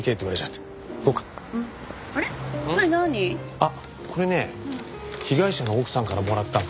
あっこれね被害者の奥さんからもらったの。